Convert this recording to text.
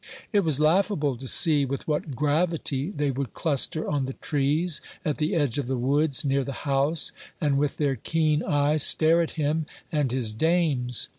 It was laughable to see with what gravity they would cluster on the trees, at the edge of the woods near the house, and, with their keen eyes, stare at him and his dames.